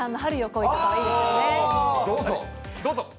どうぞ。